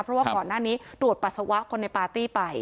เพราะว่าก่อนหน้านี้ตรวจปัสสาวะคนในปาร์ตี้ไป